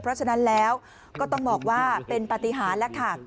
เพราะฉะนั้นแล้วก็ต้องบอกว่าเป็นปฏิหารแล้วค่ะ